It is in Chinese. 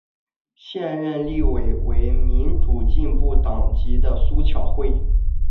现任立委为民主进步党籍的苏巧慧。